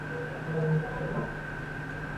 电影主要以拾得录像的方式拍摄。